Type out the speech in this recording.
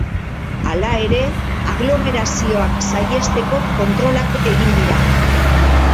Hala ere, aglomerazioak saihesteko kontrolak egin dira.